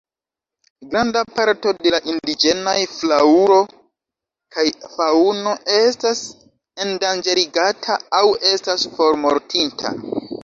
Granda parto de la indiĝenaj flaŭro kaj faŭno estas endanĝerigata aŭ estas formortinta.